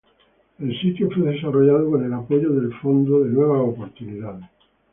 El sitio fue desarrollado con el apoyo del Fondo de Nuevas Oportunidades.